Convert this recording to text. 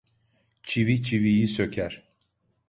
Çivi çiviyi söker.